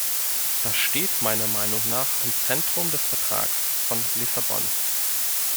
Das steht meiner Meinung nach im Zentrum des Vertrags von Lissabon.